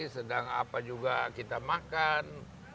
sedang apa juga kita makan